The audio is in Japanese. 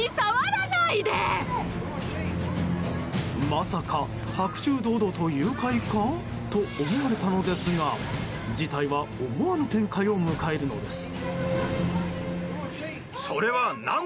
まさか、白昼堂々と誘拐かと思われたのですが事態は思わぬ展開を迎えるのです。